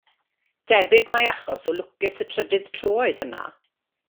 Debyg mai achos o lwcus y trydydd tro oedd hynna.